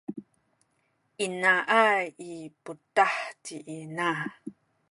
inayay i putah ci ina.